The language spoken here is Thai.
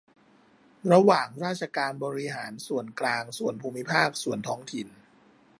ระหว่างราชการบริหารส่วนกลาง ส่วนภูมิภาค ส่วนท้องถิ่น